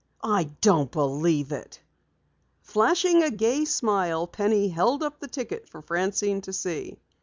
"I don't believe it!" Flashing a gay smile, Penny held up the ticket for Francine to see.